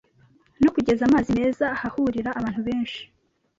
no kugeza amazi meza ahahurira abantu benshi